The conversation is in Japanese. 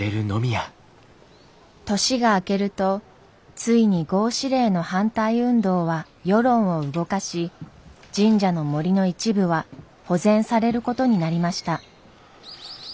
年が明けるとついに合祀令の反対運動は世論を動かし神社の森の一部は保全されることになりました。